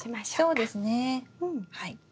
そうですねはい。